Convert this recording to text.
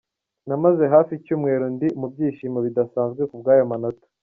Namaze hafi icyumeru ndi mu byishimo bidasanzwe kubw’ayo manota.